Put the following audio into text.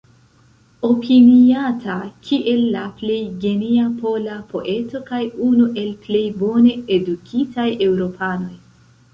Opiniata kiel la plej genia pola poeto kaj unu el plej bone edukitaj eŭropanoj.